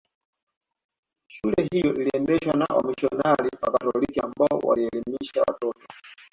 Shule hiyo iliendeshwa na wamisionari Wakatoliki ambao walielimisha watoto